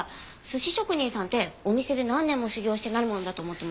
寿司職人さんってお店で何年も修業してなるものだと思ってました。